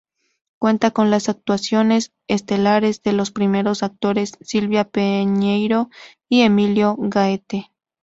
Cuenta con las actuaciones estelares de los primeros actores Silvia Piñeiro y Emilio Gaete.